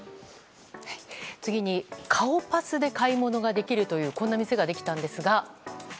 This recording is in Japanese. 顔パスで買い物ができるというこんな店ができたんですが。